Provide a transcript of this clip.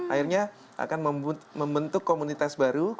akhirnya akan membentuk komunitas baru